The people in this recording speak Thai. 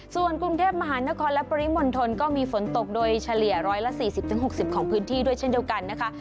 ส่วนกรุงเทพมหานครและปริมณฑลก็มีฝนตกโดยเฉลี่ย๑๔๐๖๐ของพื้นที่ด้วยเช่นเดียวกันนะคะ